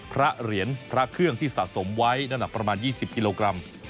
เหรียญพระเครื่องที่สะสมไว้น้ำหนักประมาณ๒๐กิโลกรัม